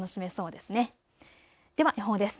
では予報です。